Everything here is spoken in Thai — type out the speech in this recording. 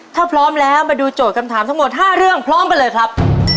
ถ้าพร้อมแล้วมาดูโจทย์คำถามทั้งหมด๕เรื่องพร้อมกันเลยครับ